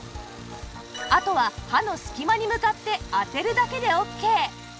あとは歯の隙間に向かって当てるだけでオーケー